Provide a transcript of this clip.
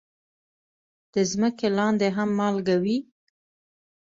د ځمکې لاندې هم مالګه وي.